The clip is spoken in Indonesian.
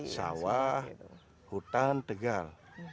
sawah hutan tegal